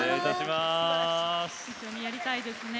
一緒にやりたいですね。